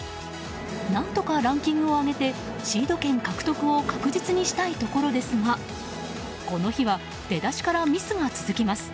何とかランキングを上げてシード権獲得を確実にしたいところですがこの日は出だしからミスが続きます。